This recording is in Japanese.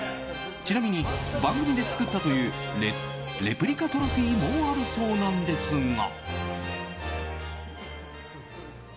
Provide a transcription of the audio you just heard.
ちなみに番組で作ったというレプリカトロフィーもあるそうなんですが。